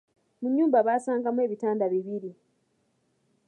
Mu nnyumba baasangamu ebitanda bibiri.